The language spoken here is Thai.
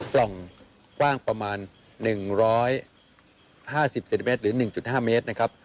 ปล่องกว้างประมาณ๑๕๐เซนติเมตรหรือ๑๕เมตรนะครับ